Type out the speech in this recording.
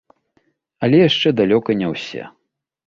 Але яшчэ далёка не ўсе.